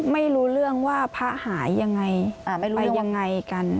ไม่รู้เรื่องว่าพระหายยังไงไม่รู้ไปยังไงกัน